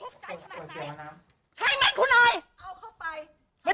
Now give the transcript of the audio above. ได้ไหมพุนาไอ